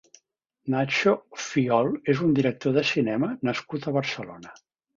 Naxo Fiol és un director de cinema nascut a Barcelona.